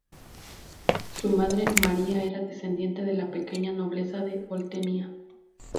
Su madre, Maria, era descendiente de la pequeña nobleza de Oltenia.